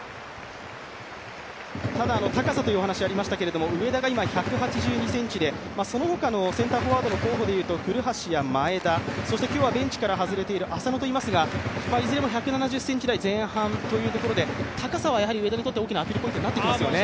高さというお話ありましたけど上田が１８２ｃｍでそのほか、センターフォワードの候補でいいますと古橋や前田、今日はベンチから外れています浅野といますが、いずれも１７０ｃｍ台前半ということで高さは上田にとって、大きなアピールポイントになってきますね。